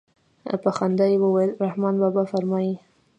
په خندا يې وويل رحمان بابا فرمايي.